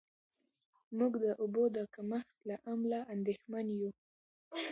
موږ د اوبو د کمښت له امله اندېښمن یو.